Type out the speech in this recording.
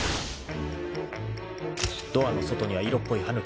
［ドアの外には色っぽい羽貫さん］